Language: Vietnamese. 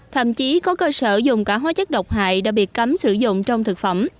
thậm chí có cơ sở dùng cả hóa chất độc hại đã bị cấm sử dụng trong thực phẩm